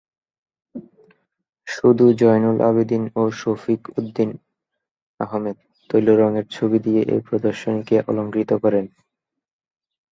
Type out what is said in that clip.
শুধু জয়নুল আবেদীন ও শফিউদ্দীন আহমেদ তৈলরং-এর ছবি দিয়ে এ প্রদর্শনীকে অলঙ্কৃত করেন।